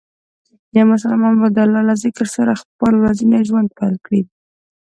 یو مسلمان باید د الله له ذکر سره خپل ورځنی ژوند پیل کړي.